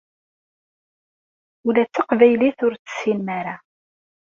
Ula d taqbaylit ur tt-tessinem ara.